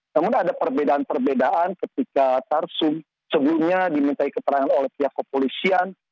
namun ada perbedaan perbedaan ketika tarsum sebelumnya dimintai keterangan oleh pihak kepolisian